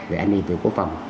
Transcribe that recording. về an ninh về quốc phòng